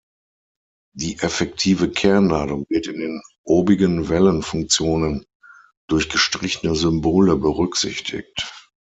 Die effektive Kernladung wird in den obigen Wellenfunktionen durch gestrichene Symbole berücksichtigt.